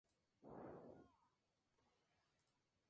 Su primera sede estuvo en el Paseo de Sarasate de Pamplona.